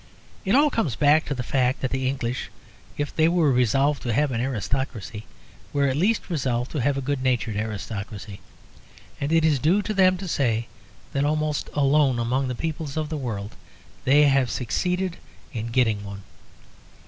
It all comes back to the fact that the English, if they were resolved to have an aristocracy, were at least resolved to have a good natured aristocracy. And it is due to them to say that almost alone among the peoples of the world, they have succeeded in getting one.